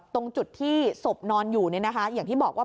ตรงจุดที่ศพนอนอยู่เนี่ยนะคะอย่างที่บอกว่า